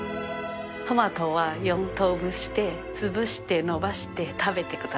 トマトは４等分にしてつぶしてのばして食べてください。